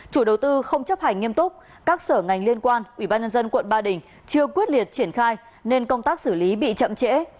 chủ đầu tư không chấp hành nghiêm túc các sở ngành liên quan ủy ban nhân dân quận ba đình chưa quyết liệt triển khai nên công tác xử lý bị chậm trễ